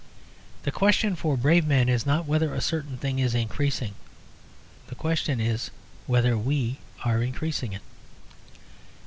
The question for brave men is not whether a certain thing is increasing; the question is whether we are increasing it.